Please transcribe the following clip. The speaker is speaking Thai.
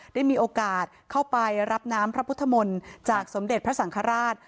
ได้มีโอกาสเข้าไปรับน้ำพระพุทธมนต์จากสมเด็จพระสังฆราช